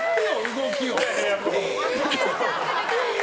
動きを。